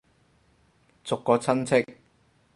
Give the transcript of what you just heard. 逐個親戚